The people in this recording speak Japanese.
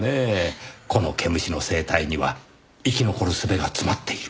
このケムシの生態には生き残る術が詰まっている。